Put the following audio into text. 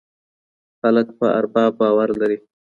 خلګ په ارباب باور لري.